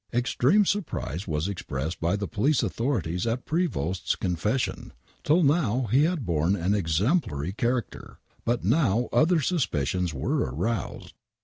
! Extreme surprise was expressed by the police authorities at Prevost's confession. Till now he had borne an exemplary character. But now other suspicions were aroused.